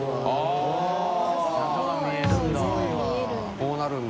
こうなるんだ。